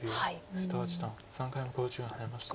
瀬戸八段３回目の考慮時間に入りました。